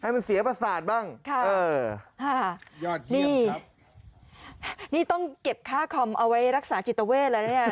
มันเสียประสาทบ้างนี่นี่ต้องเก็บค่าคอมเอาไว้รักษาจิตเวทแล้วเนี่ย